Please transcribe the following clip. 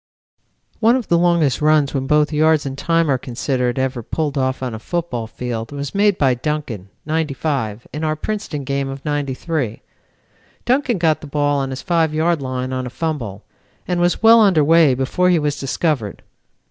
"One of the longest runs when both yards and time are considered ever pulled off on a football field, was made by Duncan, '95, in our Princeton game of '93. Duncan got the ball on his 5 yard line on a fumble, and was well under way before he was discovered.